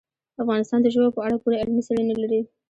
افغانستان د ژبو په اړه پوره علمي څېړنې لري.